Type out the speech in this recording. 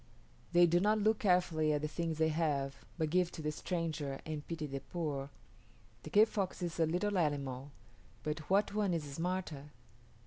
They do not look carefully at the things they have, but give to the stranger and pity the poor. The kit fox is a little animal, but what one is smarter?